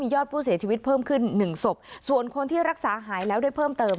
ยอดผู้เสียชีวิตเพิ่มขึ้นหนึ่งศพส่วนคนที่รักษาหายแล้วได้เพิ่มเติม